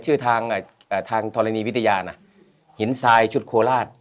หินทรนีวิทยานหินทรายชุดโคราช